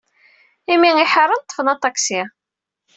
Imi ay ḥaren, ḍḍfen aṭaksi.